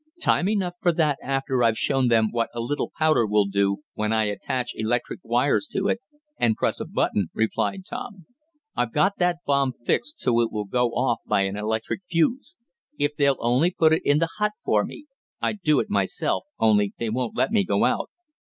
"Time enough for that after I've shown them what a little powder will do, when I attach electric wires to it and press a button," replied Tom. "I've got that bomb fixed so it will go off by an electric fuse. If they'll only put it in the hut for me. I'd do it myself, only they won't let me go out."